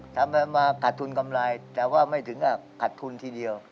มาขัดทุนกำไรแต่ว่าไม่ถึงกับขัดทุนทีเดียว